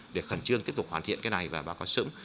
để khẩn trương tiếp tục hoàn thiện cái này và báo cáo sớm